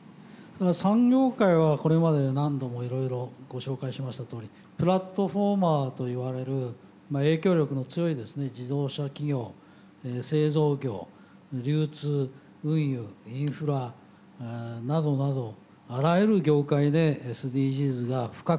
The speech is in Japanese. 産業界はこれまで何度もいろいろご紹介しましたとおりプラットフォーマーといわれる影響力の強いですね自動車企業製造業流通運輸インフラなどなどあらゆる業界でＳＤＧｓが深く浸透中ですね。